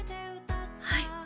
はい！